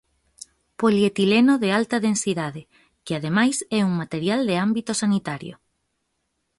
Polietileno de alta densidade, que ademais é un material de ámbito sanitario.